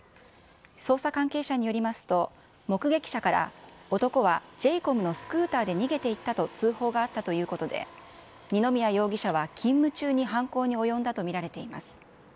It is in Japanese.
捜査関係者によりますと、目撃者から、男はジェイコムのスクーターで逃げていったと通報があったということで、二宮容疑者は勤務中に犯行に及んだと見られています。